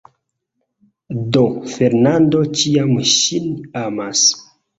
Do Fernando ĉiam ŝin amas.